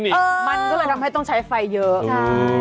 มันก็เลยทำให้ต้องใช้ไฟเยอะใช่